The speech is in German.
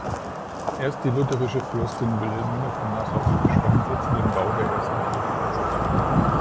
Erst die lutherische Fürstin Wilhelmine von Nassau-Idenstein setzte den Bau der ersten Kirche durch.